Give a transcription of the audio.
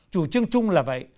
chủ trương chung là vậy